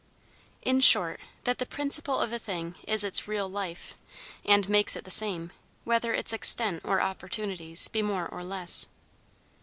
In short, that the principle of a thing is its real life, and makes it the same, whether its extent or opportunities be more or less.